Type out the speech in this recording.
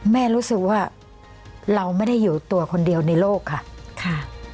รู้สึกว่าเราไม่ได้อยู่ตัวคนเดียวในโลกค่ะ